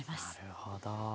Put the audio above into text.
なるほど。